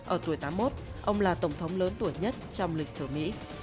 ở tuổi tám mươi một ông là tổng thống lớn tuổi nhất trong lịch sử mỹ